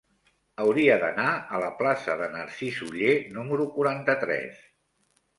Hauria d'anar a la plaça de Narcís Oller número quaranta-tres.